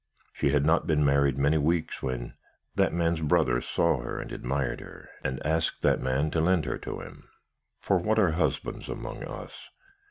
She had not been married many weeks, when that man's brother saw her and admired her, and asked that man to lend her to him for what are husbands among us!